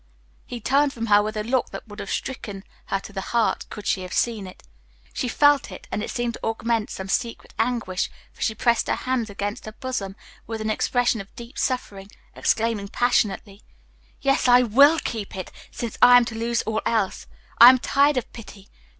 He turned from her with a look that would have stricken her to the heart could she have seen it. She felt it, and it seemed to augment some secret anguish, for she pressed her hands against her bosom with an expression of deep suffering, exclaiming passionately, "Yes, I will keep it, since I am to lose all else. I am tired of pity.